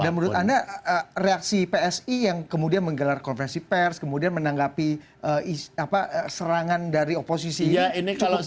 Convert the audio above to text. dan menurut anda reaksi psi yang kemudian menggelar konversi pers kemudian menanggapi serangan dari oposisi ini cukup tepat